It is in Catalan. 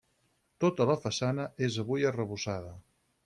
Tota la façana és avui arrebossada.